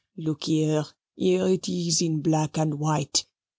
Look here, here it is in black and white.